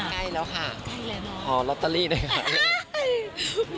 ใกล้แล้วค่ะใกล้แล้วน้องพอล็อตเตอรี่ด้วยค่ะ